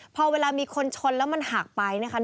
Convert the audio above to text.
พอเวลามีคนชนแล้วมันหักไปนะคะ